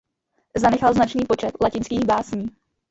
Zanechal značný počet latinských básní.